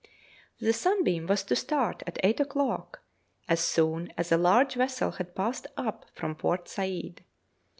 The 'Sunbeam' was to start at eight o'clock, as soon as a large vessel had passed up from Port Said.